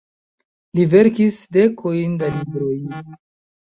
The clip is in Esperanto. Li verkis dekojn da libroj.